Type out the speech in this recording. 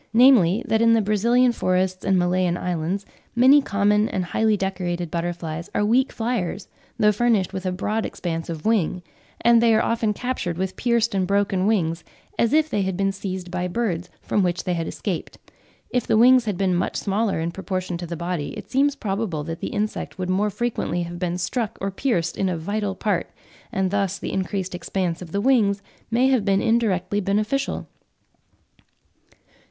namely, that in the Brazilian forests and Malayan islands, many common and highly decorated butterflies are weak flyers, though furnished with a broad expanse of wing; and they "are often captured with pierced and broken wings, as if they had been seized by birds, from which they had escaped: if the wings had been much smaller in proportion to the body, it seems probable that the insect would more frequently have been struck or pierced in a vital part, and thus the increased expanse of the wings may have been indirectly beneficial."